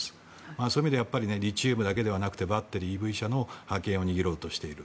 そういう意味ではリチウムだけではなくバッテリー、ＥＶ車の利権を獲得しようとしている。